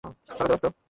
সরো, দোস্ত।